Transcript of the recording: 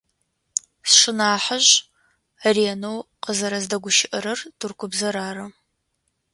Сшынахьыжъ ренэу къызэрэздэгущыӏэрэр тыркубзэр ары.